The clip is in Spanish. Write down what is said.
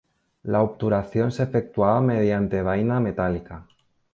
La obturación se efectuaba mediante vaina metálica.